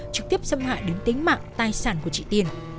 trực tiếp xâm hại đến tính mạng tài sản của chị tiền